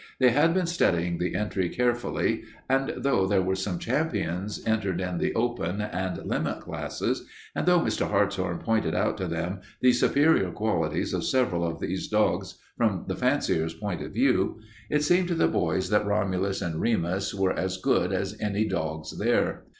They had been studying the entry carefully, and though there were some champions entered in the open and limit classes, and though Mr. Hartshorn pointed out to them the superior qualities of several of these dogs from the fancier's point of view, it seemed to the boys that Romulus and Remus were as good as any dogs there.